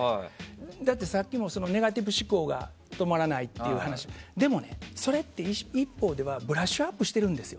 だって、さっきもネガティブ思考が止まらないという話だったけどそれは一方ではブラッシュアップしてるんです。